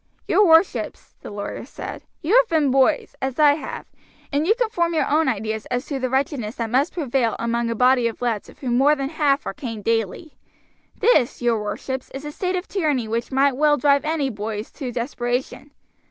"Your worships," the lawyer said, "you have been boys, as I have, and you can form your own ideas as to the wretchedness that must prevail among a body of lads of whom more than half are caned daily. This, your worships, is a state of tyranny which might well drive any boys to desperation.